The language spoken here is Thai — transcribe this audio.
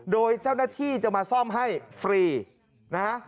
โดยเจ้าหน้าที่จะมาซ่อมให้ฟรีนะฮะ